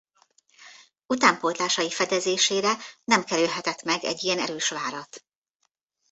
Utánpótlásai fedezésére nem kerülhetett meg egy ilyen erős várat.